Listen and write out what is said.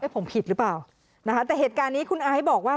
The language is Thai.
ผมผิดหรือเปล่านะคะแต่เหตุการณ์นี้คุณไอซ์บอกว่า